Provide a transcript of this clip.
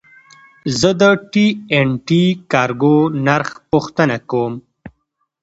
زه د ټي این ټي کارګو نرخ پوښتنه کوم.